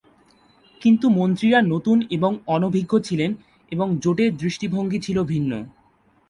কিন্তু মন্ত্রীরা নতুন এবং অনভিজ্ঞ ছিলেন এবং জোটের দৃষ্টিভঙ্গি ছিল ভিন্ন।